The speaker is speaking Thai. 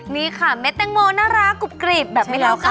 นี่ค่ะเมล็ดแตงโมน่ารักกริบแบบนี้แล้วกัน